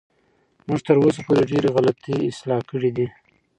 موږ تر اوسه پورې ډېرې غلطۍ اصلاح کړې دي.